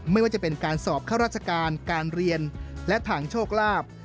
ไม่ว่าจะเป็นการสอบข้าราชการการเรียนและทางโชคลาภ